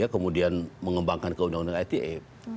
kemudian mengembangkan ke undang undang ite